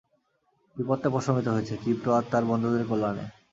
বিপদটা প্রশমিত হয়েছে, ক্রিপ্টো আর তার বন্ধুদের কল্যাণে।